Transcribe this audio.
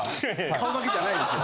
顔だけじゃないですよね？